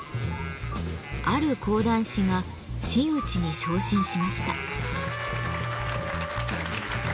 ある講談師が真打ちに昇進しました。